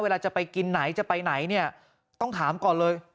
เวลาจะไปกินไหนจะไปไหนเนี่ยต้องถามก่อนเลย